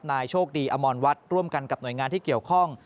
โชคดีอมรวัฒน์ร่วมกันกับหน่วยงานที่เกี่ยวข้อง